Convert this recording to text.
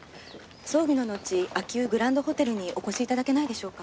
葬儀ののち秋保グランドホテルにお越し頂けないでしょうか？